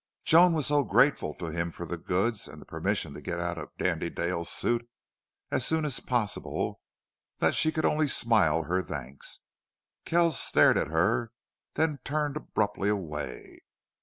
Joan was so grateful to him for the goods and the permission to get out of Dandy Dale's suit as soon as possible, that she could only smile her thanks. Kells stared at her, then turned abruptly away.